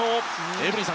エブリンさん